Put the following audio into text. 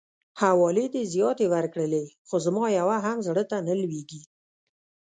حوالې دي زياتې ورکړلې خو زما يوه هم زړه ته نه لويږي.